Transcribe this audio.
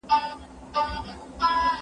له ناكامه يې ويل پرې تحسينونه